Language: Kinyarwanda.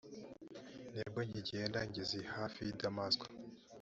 nibwo nkigenda ngeze hafi y i damasiko.